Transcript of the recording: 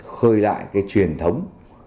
khơi lại cái truyền thống